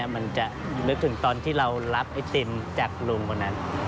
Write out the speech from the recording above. มันจะนึกถึงตอนที่เรารับไอติมจากลุงคนนั้น